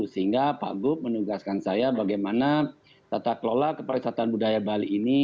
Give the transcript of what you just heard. sehingga pak gup menugaskan saya bagaimana tata kelola keparisataan budaya bali ini